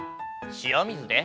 塩水で？